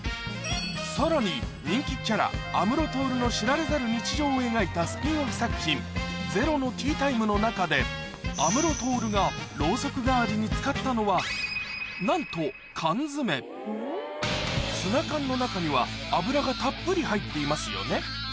さらに人気キャラ安室透の知られざる日常を描いたスピンオフ作品『ゼロの日常』の中で安室透がろうそく代わりに使ったのはなんとツナ缶の中には油がたっぷり入っていますよね